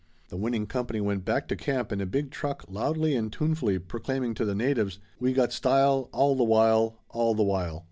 The winning company went back to camp in a big truck loudly and tunefully proclaiming to the natives: "We got style, all the while, all the while."